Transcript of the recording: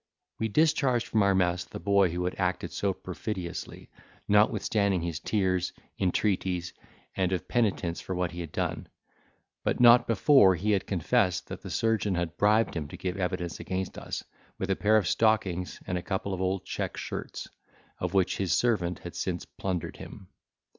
We discharged from our mess the boy who had acted so perfidiously, notwithstanding his tears, intreaties, and of penitence for what he had done; but not before he had confessed that the surgeon had bribed him to give evidence against us, with a pair of stockings and a couple of old check shirts, of which his servant had since plundered him.